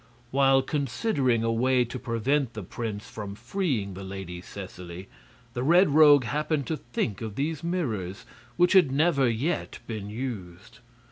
While considering a way to prevent the prince from freeing the Lady Seseley, the Red Rogue happened to think of these mirrors, which had never yet been used.